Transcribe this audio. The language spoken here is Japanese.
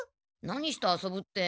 何して遊ぶって。